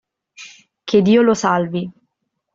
Che Dio lo salvi.